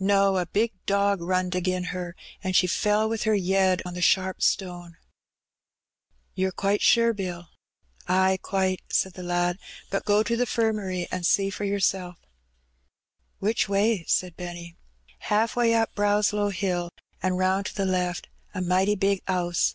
'^No. A big dog runned agin her, an' she fell with her yed on a sharp stone." '^Yer quite sure. Bill?" ''Ay, quite," said the lad; ''but go to the 'firmary an' see for yoursel'." "Which way?" said Benny. "Haaf way up Brownlow Hill, an' roun' to the left; a mighty big 'ouse."